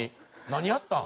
何やったん？